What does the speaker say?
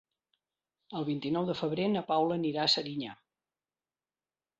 El vint-i-nou de febrer na Paula anirà a Serinyà.